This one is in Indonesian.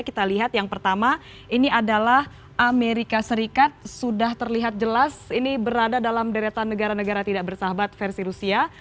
kita lihat yang pertama ini adalah amerika serikat sudah terlihat jelas ini berada dalam deretan negara negara tidak bersahabat versi rusia